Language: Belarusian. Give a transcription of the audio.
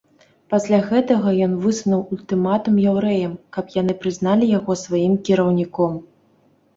Пасля гэтага ён высунуў ультыматум яўрэям, каб яны прызналі яго сваім кіраўніком.